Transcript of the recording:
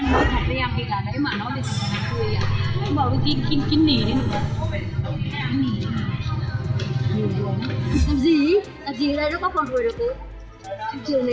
hãy đăng ký kênh để ủng hộ kênh của chúng mình nhé